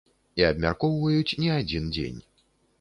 І абмяркоўваюць не адзін дзень.